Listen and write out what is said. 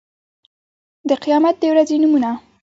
د قيامت د ورځې نومونه